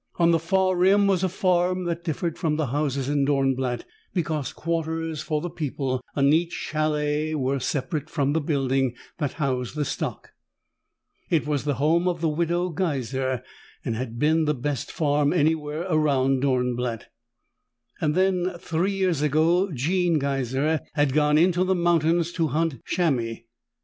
On the far rim was a farm that differed from the houses in Dornblatt because quarters for the people, a neat chalet, were separate from the building that housed the stock. It was the home of the Widow Geiser and had been the best farm anywhere around Dornblatt. Then, three years ago, Jean Geiser had gone into the mountains to hunt chamois.